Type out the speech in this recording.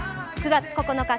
９月９日